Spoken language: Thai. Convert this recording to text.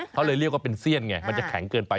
เขาเลยเรียกว่าเป็นเสี้ยนไงมันจะแข็งเกินไป